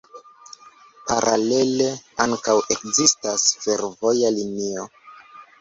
Paralele ankaŭ ekzistas fervoja linio.